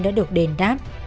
đã được đền đáp